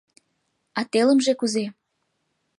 — А телымже кузе?